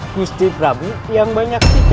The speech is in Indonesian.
kusti prabu yang banyak bicara